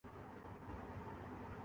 ایک معمولی تصحیح۔